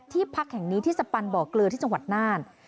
พักแห่งนี้ที่สปันบ่อเกลือที่จังหวัดน่าน